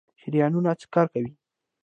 شریانونه څه کار کوي؟